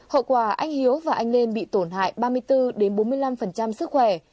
hậu quả anh hiếu và anh lên bị tổn hại ba mươi bốn bốn mươi năm sức khỏe